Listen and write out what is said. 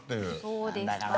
そうですか。